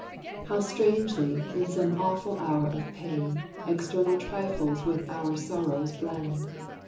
How strangely, in some awful hour of pain, External trifles with our sorrows blend!